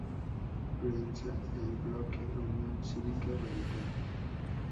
Prensa Bloque: Unión Cívica Radical